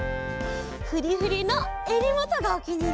フリフリのえりもとがおきにいりなんだ。